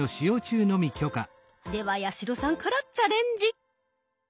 では八代さんからチャレンジ。